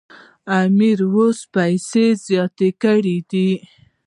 امیر اوس پیسې زیاتې کړي دي.